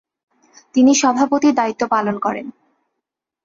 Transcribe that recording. তিনি সভাপতির দায়িত্ব পালন করেন।